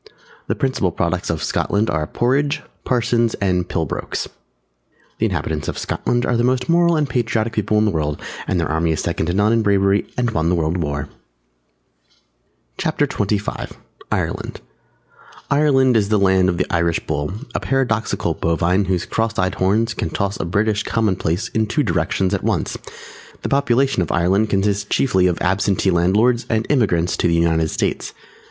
The principal products of Scotland are Porridge, Parsons and Pilbrochs. The inhabitants of Scotland are the most Moral and Patriotic people in the World, and their army is second to none in bravery and won the World War. CHAPTER XXV IRELAND [Illustration: "The apparel oft proclaims the man." HAMLET.] Ireland is the land of the Irish Bull, a paradoxical Bovine whose cross eyed horns can toss a British commonplace in two directions at once. The population of Ireland consists chiefly of Absentee landlords and Emigrants to the United States.